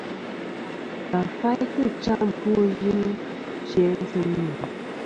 Va faytɨ cham ɨfwoyɨnɨ jæ sɨ mì.